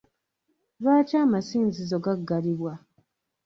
Lwaki amasinzizo gaggalibwa?